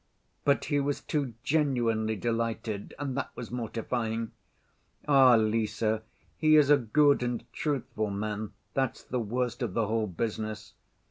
But he was too genuinely delighted, and that was mortifying. Ah, Lise, he is a good and truthful man—that's the worst of the whole business.